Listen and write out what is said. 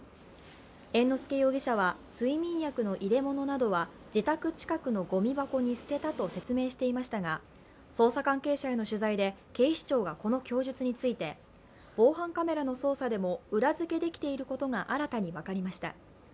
猿之助容疑者は睡眠薬の入れ物などは自宅近くのごみ箱に捨てたと説明していましたが、捜査関係者への取材で警視庁がこの供述について防犯カメラの操作でも裏付けできていることが新たに分かりました。